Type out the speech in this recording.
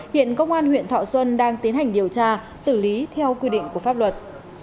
hiện công an huyện thọ xuân đang tiến hành điều tra xử lý theo quy định của pháp luật